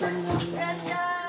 ・いらっしゃい！